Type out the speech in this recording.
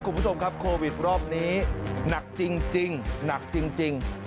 คุณผู้ชมครับโควิดรอบนี้หนักจริงหนักจริง